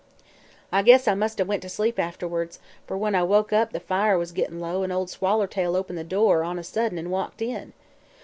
"I guess I must 'a' went to sleep, afterwards, fer when I woke up the fire was gett'n' low an' Ol' Swallertail opened the door on a sudden an' walked in.